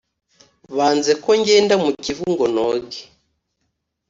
Banze ko ngenda mu kivu ngo noge